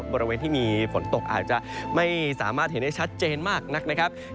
บริเวณที่มีฝนตกอาจจะไม่สามารถเห็นได้ชัดเจนมากนักนะครับ